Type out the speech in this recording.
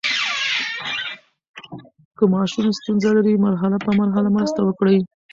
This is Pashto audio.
که ماشوم ستونزه لري، مرحله په مرحله مرسته وکړئ.